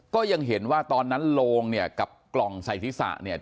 ก็ยังเห็นว่าตอนนั้นโลงเนี่ยกับกล่องใส่ศีรษะเนี่ย